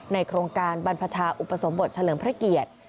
โครงการบรรพชาอุปสมบทเฉลิมพระเกียรติ